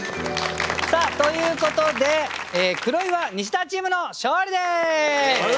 さあということで黒岩ニシダチームの勝利です！